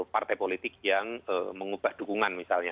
partai politik yang mengubah dukungan misalnya